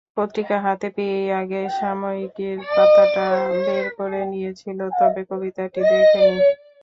পত্রিকা হাতে পেয়েই আগে সাময়িকীর পাতাটা বের করে নিয়েছিল, তবে কবিতাটি দেখেনি।